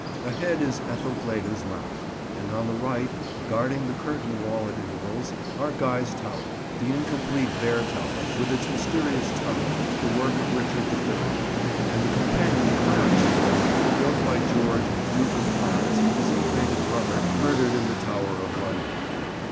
Ahead is Ethelfleda's Mount, and on the right, guarding the curtain wall at intervals, are Guy's Tower; the incomplete Bear Tower, with its mysterious tunnel, the work of Richard the Third; and the companion Clarence Tower, built by George, Duke of Clarence, his ill fated brother, murdered in the Tower of London.